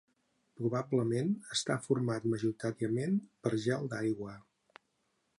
Probablement està format majoritàriament per gel d'aigua.